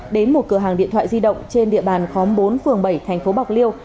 đến một cửa hàng điện thoại di động trên địa bàn khóm bốn phường bảy thành phố bạc liêu